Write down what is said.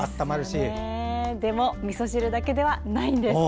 でも、みそ汁だけではないんです。